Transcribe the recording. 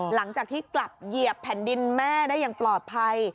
หลังจากที่กลับเหยียบแผ่นดินแม่ได้อย่างปลอดภัย